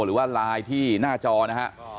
หรือว่าไลน์ที่หน้าจอนะฮะ